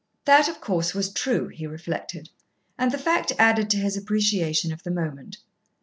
That, of course, was true, he reflected, and the fact added to his appreciation of the moment.